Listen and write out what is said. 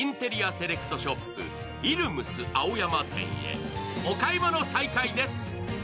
セレクトショップ・ＩＬＬＵＭＳ青山店へお買い物再開です。